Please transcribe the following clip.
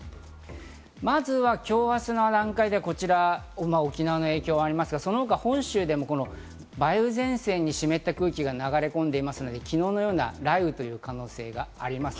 まずは今日、明日の段階で沖縄に影響がありますが、その他、本州でも梅雨前線に湿った空気が流れ込んでいますので、昨日のような雷雨の可能性があります。